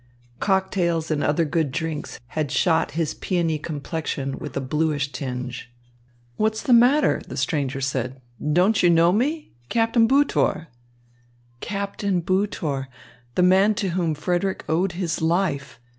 Cocktails and other good drinks had shot his peony complexion with a bluish tinge. "What's the matter?" the stranger said. "Don't you know me Captain Butor?" Captain Butor, the man to whom Frederick owed his life!